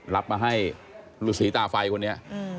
รับมาให้ภาระศรีตาไฟคนนี้